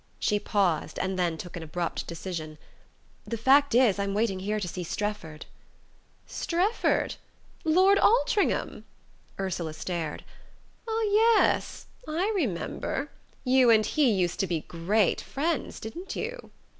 She paused, and then took an abrupt decision. "The fact is, I'm waiting here to see Strefford." "Strefford' Lord Altringham?" Ursula stared. "Ah, yes—I remember. You and he used to be great friends, didn't you?"